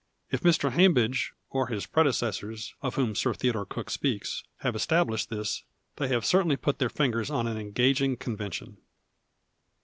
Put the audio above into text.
If Mr. Hambidge — or his prede cessors, of whom Sir Theodore Cook speaks — have established this tiicy have certainly put their fingers on an engaging convention.